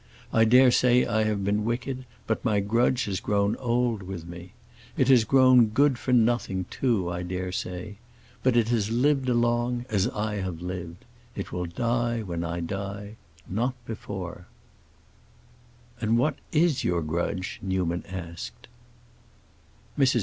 I dare say I have been wicked, but my grudge has grown old with me. It has grown good for nothing, too, I dare say; but it has lived along, as I have lived. It will die when I die,—not before!" "And what is your grudge?" Newman asked.